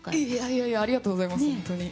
いやいやありがとうございます、本当に。